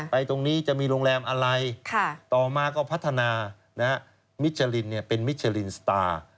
ตรงนี้จะมีโรงแรมอะไรต่อมาก็พัฒนามิชลินเป็นมิชลินสตาร์